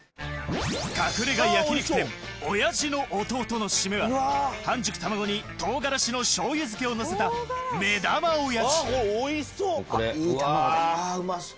隠れ家焼肉店おやじのおとうとのシメは半熟卵に唐辛子の醤油漬けをのせたうわうまそう。